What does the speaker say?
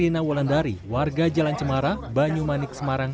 kasus penembakan rina wolandari warga jalan cemara banyumanik semarang